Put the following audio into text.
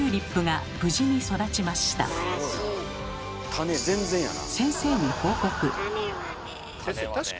種全然やな。